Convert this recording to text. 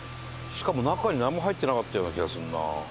しかも中に何も入ってなかったような気がするな。